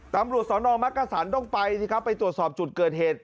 ตำรวจสนมักกษันต้องไปสิครับไปตรวจสอบจุดเกิดเหตุ